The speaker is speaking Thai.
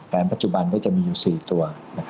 ปัจจุบันก็จะมีอยู่๔ตัว